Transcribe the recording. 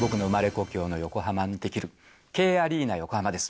故郷の横浜に出来るＫアリーナ横浜です。